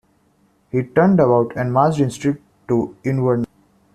He turned about and marched instead to Inverness.